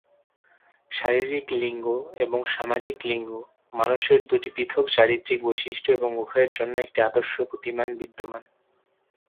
শারীরিক লিঙ্গ এবং সামাজিক লিঙ্গ মানুষের দুটি পৃথক চারিত্রিক বৈশিষ্ট্য এবং উভয়ের জন্য একটি আদর্শ প্রতিমান বিদ্যমান।